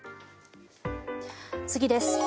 次です。